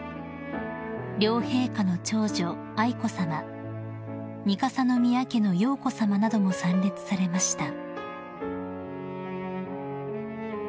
［両陛下の長女愛子さま三笠宮家の瑶子さまなども参列されました］